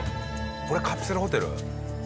これカプセルホテル？